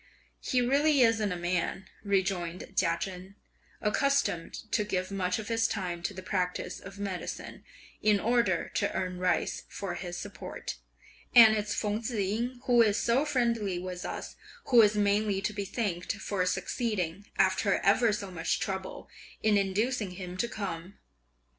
"He really isn't a man," rejoined Chia Chen, "accustomed to give much of his time to the practice of medicine, in order to earn rice for his support: and it's Feng Tzu ying, who is so friendly with us, who is mainly to be thanked for succeeding, after ever so much trouble, in inducing him to come.